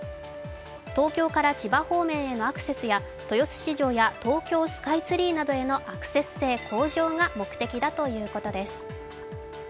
東京から千葉方面へのアクセスや豊洲市場や東京スカイツリーなどへのアクセス性の向上などが目的だということです。